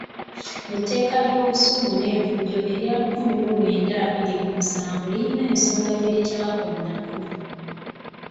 Etteeka lya busuulu n’envujjo erya lukumi mu lwenda abiri mu musanvu lirina ensonga gye litaakoonako.